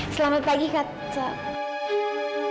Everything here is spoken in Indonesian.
selamat pagi kak taufan